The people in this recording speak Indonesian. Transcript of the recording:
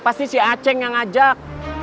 pasti si aceh yang ngajak